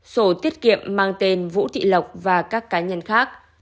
sổ tiết kiệm mang tên vũ thị lộc và các cá nhân khác